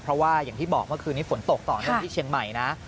เพราะว่าอย่างที่บอกเมื่อคืนนี้ฝนตกต่อเนื่องที่เชียงใหม่นะ